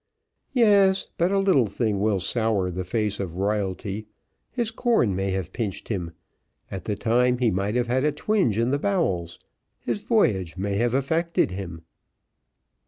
"Yes, but a little thing will sour the face of royalty, his corn may have pinched him, at the time he might have had a twinge in the bowels his voyage may have affected him."